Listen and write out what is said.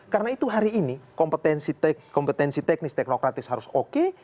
karena itu hari ini kompetensi teknis teknokratis harus oke